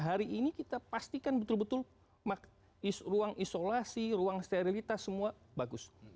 hari ini kita pastikan betul betul ruang isolasi ruang sterilitas semua bagus